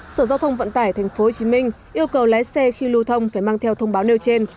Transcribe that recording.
sở giao thông vận tải tp hcm yêu cầu lái xe khi lưu thông phải mang theo thông báo nêu trên